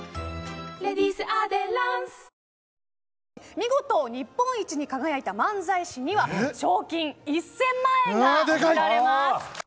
見事、日本一に輝いた漫才師には賞金１０００万円が贈られます。